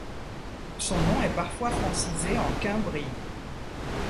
Son nom est parfois francisé en Cumbrie.